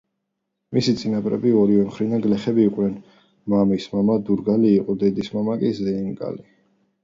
მისი წინაპრები ორივე მხრიდან გლეხები იყვნენ, მამის მამა დურგალი იყო, დედის მამა კი ზეინკალი.